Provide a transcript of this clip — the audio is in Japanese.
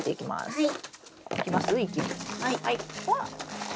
はい。